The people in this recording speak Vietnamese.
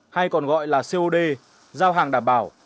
hay còn gọi là cod giao hàng đảm bảo